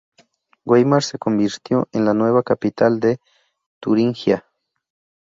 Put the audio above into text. Weimar se convirtió en la nueva capital de Turingia.